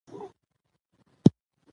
که تاسي وغواړئ، موږ مرسته کولی شو.